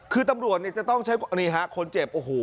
คือตำรวจเนี่ยจะต้องใช้นี่ฮะคนเจ็บโอ้โห